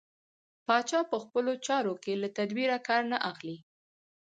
پاچا په خپلو چارو کې له تدبېره کار نه اخلي.